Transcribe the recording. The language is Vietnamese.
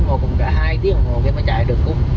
một cùng chạy hai tiếng một cái mới chạy được cũng